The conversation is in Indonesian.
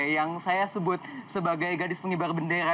yang saya sebut sebagai gadis pengibar bendera